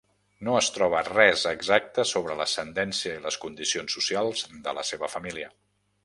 No es troba res exacte sobre l'ascendència i les condicions socials de la seva família.